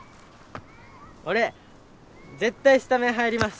俺絶対スタメン入ります！